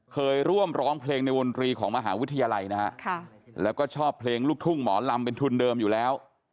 เคยร่วมร้องเพลงในวงตรีของมหาวิทยาลัยนะฮะแล้วก็ชอบเพลงลูกทุ่งหมอลำเป็นทุนเดิมอยู่แล้ว